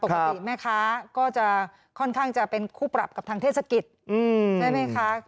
แม่ค้าก็จะค่อนข้างจะเป็นคู่ปรับกับทางเทศกิจใช่ไหมคะ